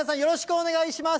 お願いします。